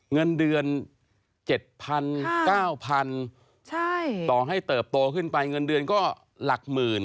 เงินเดือน๗๐๐๙๐๐ต่อให้เติบโตขึ้นไปเงินเดือนก็หลักหมื่น